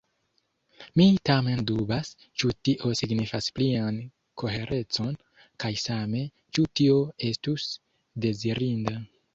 Mi tamen dubas, ĉu tio signifas plian koherecon, kaj same, ĉu tio estus dezirinda.